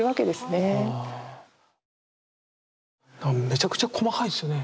めちゃくちゃ細かいですよね。